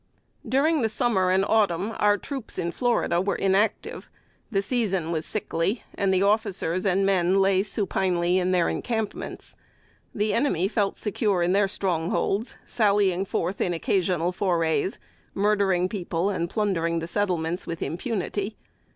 During the summer and autumn, our troops in Florida were inactive. The season was sickly, and the officers and men lay supinely in their encampments. The enemy felt secure in their strong holds sallying forth in occasional forays, murdering the people, and plundering the settlements with impunity.